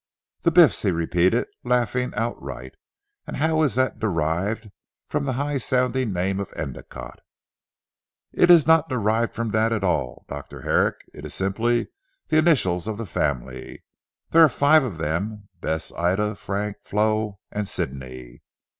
"The Biff's," he repeated laughing outright, "and how is that derived from the high sounding name of Endicotte?" "It is not derived from that at all Dr. Herrick. It is simply the initials of the family. There are five of them. Bess, Ida, Frank, Flo, and Sidney."